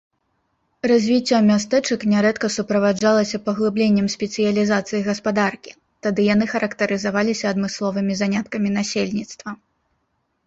Развіццё мястэчак нярэдка суправаджалася паглыбленнем спецыялізацыі гаспадаркі, тады яны характарызаваліся адмысловымі заняткамі насельніцтва.